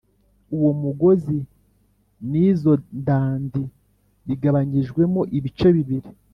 Uwo mugozi n'izo ndandi bigabanyijwemo ibice bibiri